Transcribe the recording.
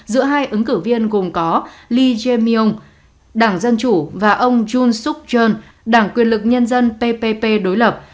giữa hai ứng cử viên gồm có lee jae myung đảng dân chủ và ông jun suk jeon đảng quyền lực nhân dân ppp đối lập